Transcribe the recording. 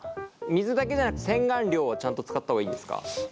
水だけじゃなく洗顔料はちゃんと使った方がいいんですか？